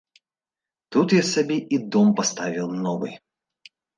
Тут я сабе і дом паставіў новы.